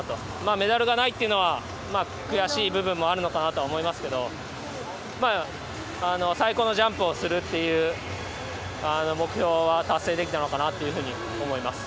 メダルがないというのは悔しい部分もあるのかなとは思いますけど最高のジャンプをするという目標は達成できたのかなというふうに思います。